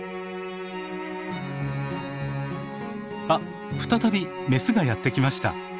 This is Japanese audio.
あっ再びメスがやって来ました。